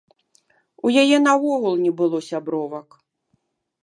У яе наогул не было сябровак.